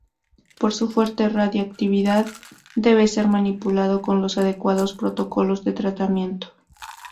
Por su fuerte radiactividad debe ser manipulado con los adecuados protocolos de tratamiento.